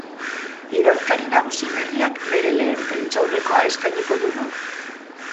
Idazkari nagusi berriak bere lehen prentsaurrekoa eskainiko du gaur.